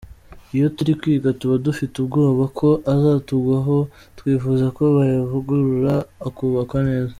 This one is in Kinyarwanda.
Iyo turi kwiga tuba dufite ubwoba ko azatugwaho; twifuza ko bayavugurura akubakwa neza.